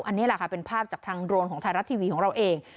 อันนี้แหละค่ะเป็นภาพจากทางโดรนของไทยรัฐทีวีของเราเอง